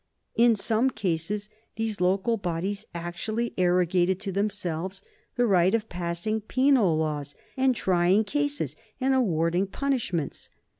In some cases these local bodies actually arrogated to themselves the right of passing penal laws, and trying cases and awarding punishments.